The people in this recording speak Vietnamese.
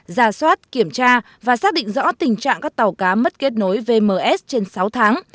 giả soát kiểm tra và xác định rõ tình trạng các tàu cá mất kết nối vms trên sáu tháng